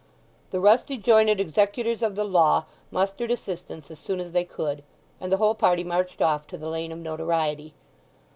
The rusty jointed executors of the law mustered assistance as soon as they could, and the whole party marched off to the lane of notoriety.